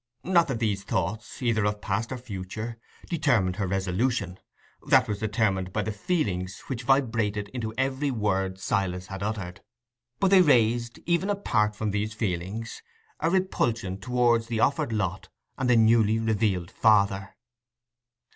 Not that these thoughts, either of past or future, determined her resolution—that was determined by the feelings which vibrated to every word Silas had uttered; but they raised, even apart from these feelings, a repulsion towards the offered lot and the newly revealed father.